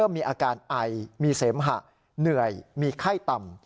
มีอาการไอมีเสมหะเหนื่อยมีไข้ต่ำ